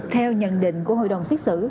theo nhận định của hội đồng xét xử